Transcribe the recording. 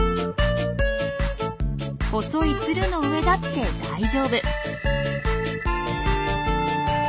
細いツルの上だって大丈夫。